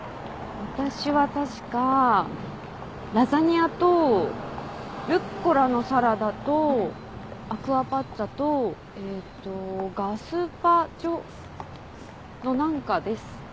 私は確かラザニアとルッコラのサラダとアクアパッツァとえっとガスパチョ？の何かです。